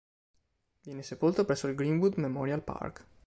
Viene sepolto presso il Greenwood Memorial Park.